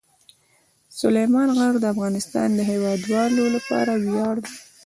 سلیمان غر د افغانستان د هیوادوالو لپاره ویاړ دی.